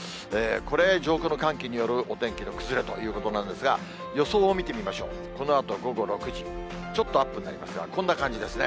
これ、上空の寒気によるお天気の崩れということなんですが、予想を見てみましょう、このあと午後６時、ちょっとアップになりますが、こんな感じですね。